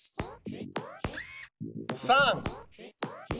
３。